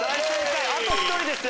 あと１人ですよ！